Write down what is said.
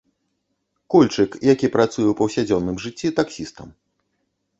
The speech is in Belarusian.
Кульчык, які працуе ў паўсядзённым жыцці таксістам.